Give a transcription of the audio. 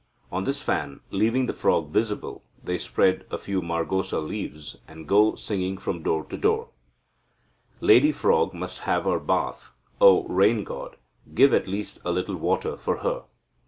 On this fan, leaving the frog visible, they spread a few margosa leaves, and go singing from door to door, 'Lady frog must have her bath; oh! rain god, give at least a little water for her.'